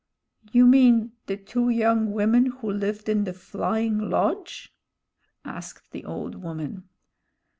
"You mean the two young women who lived in the flying lodge?" asked the old woman.